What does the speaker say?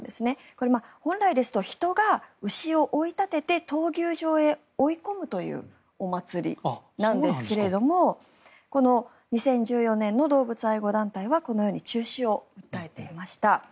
これ、本来ですと人が牛を追い立てて闘牛場へ追い込むというお祭りなんですけれどもこの２０１４年の動物愛護団体はこのように中止を訴えていました。